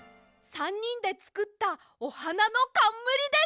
３にんでつくったおはなのかんむりです！